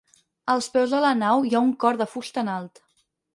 Als peus de la nau hi ha un cor de fusta en alt.